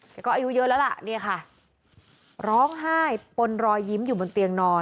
อายุก็อายุเยอะแล้วล่ะเนี่ยค่ะร้องไห้ปนรอยยิ้มอยู่บนเตียงนอน